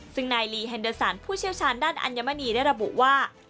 ซึ่งนายลีฮันเดอร์สันผู้เชี่ยวชาญด้านอัญมณีได้ระบุว่า